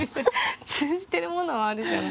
通じてるものはあるじゃない。